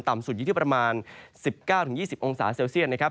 สุดอยู่ที่ประมาณ๑๙๒๐องศาเซลเซียตนะครับ